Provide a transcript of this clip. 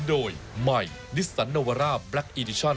ผมไม่รวมรู้กับคนเลวเลยผมไม่ต้องการผมไม่หวน